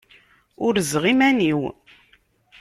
Urzeɣ iman-iw.